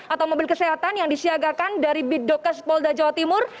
atau mobil kesehatan yang disiagakan dari bidokes polda jawa timur